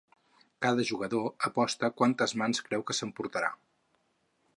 Cada jugador aposta quantes mans creu que s'emportarà.